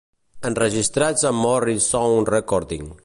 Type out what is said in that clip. Enregistrats a Morrisound Recording.